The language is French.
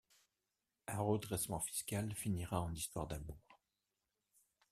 Un redressement fiscal finira en histoire d'amour...